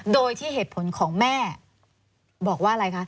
โดยที่เหตุผลของแม่บอกว่าอะไรคะ